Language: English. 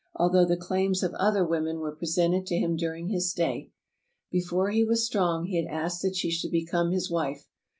The Wifely Heroism of Mertuk 377 though the claims of other women were presented to him during his stay. Before he was strong, he had asked that she should become his wife.